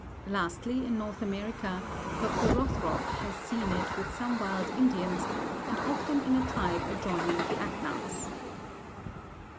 Lastly, in North America, Dr. Rothrock has seen it with some wild Indians, and often in a tribe adjoining the Atnahs.